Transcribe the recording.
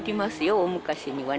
大昔にはね。